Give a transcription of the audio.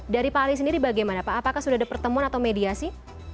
dari pak ali sendiri bagaimana pak apakah sudah ada pertemuan atau mediasi